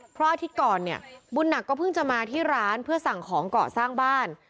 เพราะอาทิตย์ก่อนเนี่ยบุญหนักก็เพิ่งจะมาที่ร้านเพื่อสั่งของเกาะสร้างบ้าน